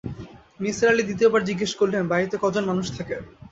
নিসার আলি দ্বিতীয় বার জিজ্ঞেস করলেন, বাড়িতে ক জন মানুষ থাকে?